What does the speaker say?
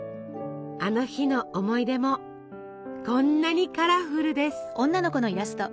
あの日の思い出もこんなにカラフルです。